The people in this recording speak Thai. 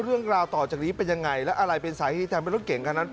เรื่องราวต่อจากนี้เป็นยังไงแล้วอะไรเป็นสาเหตุทำให้รถเก่งคันนั้น